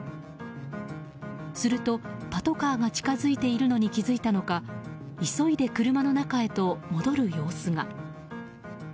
すると、パトカーが近づいているのに気付いたのか急いで車の中へと戻る様子が。